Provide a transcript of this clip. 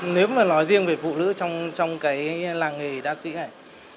nếu mà nói riêng về phụ nữ trong cái làng nghề đa sĩ này